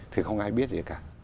thì không ai biết gì cả